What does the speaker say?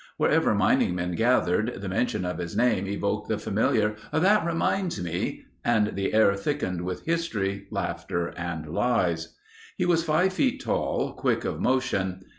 Wherever mining men gathered, the mention of his name evoked the familiar, "That reminds me," and the air thickened with history, laughter, and lies. He was five feet tall, quick of motion.